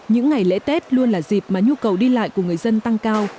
những ngày lễ tết luôn là dịp mà nhu cầu đi lại của người dân tăng cao